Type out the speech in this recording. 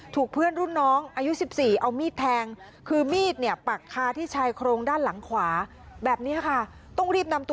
ถูกเพื่อนรุ่นน้องอายุ๑๔เอามีดแทง